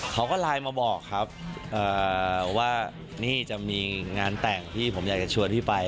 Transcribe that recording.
เขาก็ไลน์มาบอกครับว่านี่จะมีงานแต่งที่ผมอยากจะชวนพี่ไป